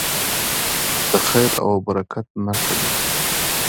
د خیر او برکت نښه ده.